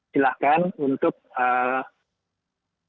silakan untuk kembali